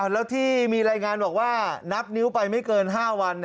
แล้วที่มีรายงานบอกว่านับนิ้วไปไม่เกิน๕วัน